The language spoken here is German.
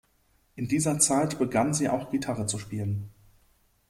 In dieser Zeit begann sie auch Gitarre zu spielen.